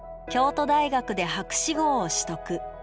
京都大学で博士号を取得。